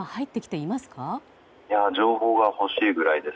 いや、情報が欲しいぐらいです。